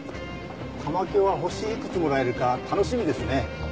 玉響は星いくつもらえるか楽しみですね。